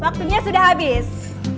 waktunya sudah habis